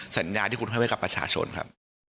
สัญญาที่คุณให้ไว้กับประชาชนครับ